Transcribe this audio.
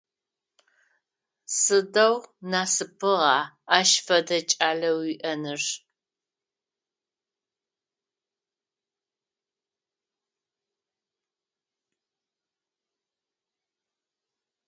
Сыдэу насыпыгъа ащ фэдэ кӏалэ уиӏэныр!